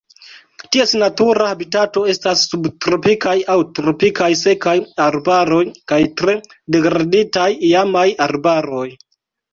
Ties natura habitato estas subtropikaj aŭ tropikaj sekaj arbaroj kaj tre degraditaj iamaj arbaroj.